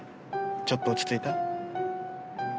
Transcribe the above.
ちょっと落ち着いた？